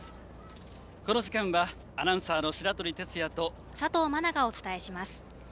この時間はアナウンサーの白鳥哲也と佐藤茉那がお伝えします。